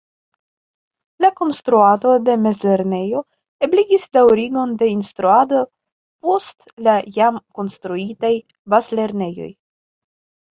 La konstruado de mezlernejo ebligis daŭrigon de instruado post la jam konstruitaj bazlernejoj.